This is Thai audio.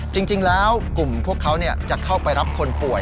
จริงแล้วกลุ่มัดไปกับคนป่วย